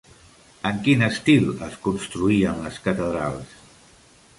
En quin estil es construïen les catedrals?